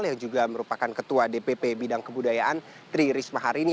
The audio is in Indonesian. yang juga merupakan ketua dpp bidang kebudayaan tri risma hari ini